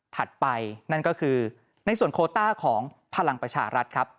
ถัดไปนั่นก็คือในส่วนโคต้าของพลังประชารัฐครับ